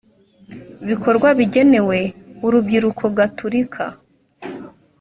bikorwa bigenewe urubyiruko gatulika